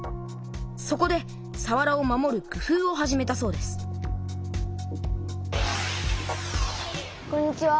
そこでさわらを守るくふうを始めたそうですこんにちは。